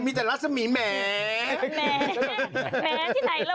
มีแต่ราสมี่แมแมก